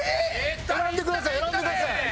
選んでください選んでください。